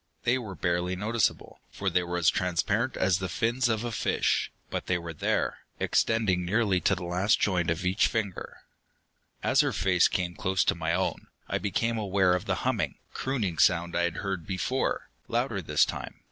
They were barely noticeable, for they were as transparent as the fins of a fish, but they were there, extending nearly to the last joint of each finger. As her face came close to my own, I became aware of the humming, crooning sound I had heard before, louder this time.